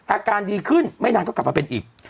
อาการดีขึ้นไม่นานก็กลับมาเป็นอีก